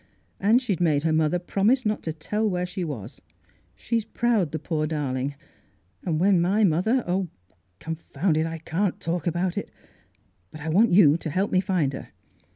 And she'd made her mother promise not to tell where she was. She's proud, the poor darling, and when my mother — Oh, confound it ! I can't talk about it. But I want you to help me find her.